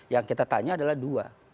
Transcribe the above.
yang kita tanya adalah dua